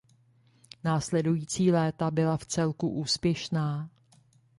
Následující léta byla vcelku úspěšná.